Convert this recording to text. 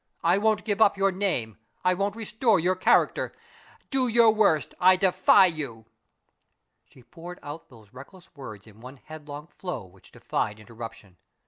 I won't give up your name; I won't restore your character! Do your worst; I defy you!" She poured out those reckless words in one headlong flow which defied interruption.